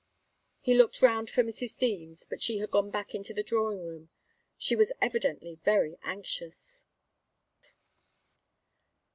He looked round for Mrs. Deems, but she had gone back into the drawing room. She was evidently very anxious.